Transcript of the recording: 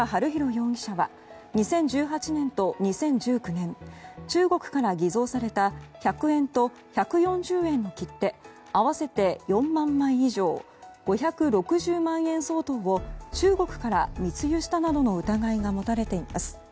容疑者は２０１８年と２０１９年中国から偽造された１００円と１４０円の切手合わせて４万枚以上５６０万円相当を中国から密輸したなどの疑いが持たれています。